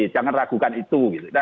jangan ragukan itu